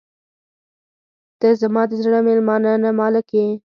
• ته زما د زړه میلمانه نه، مالک یې.